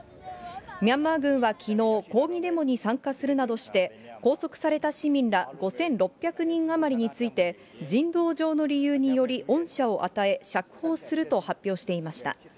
ミャンマー軍はきのう、抗議デモに参加するなどして、拘束された市民ら５６００人余りについて、人道上の理由により、恩赦を与え、釈放すると発表していました。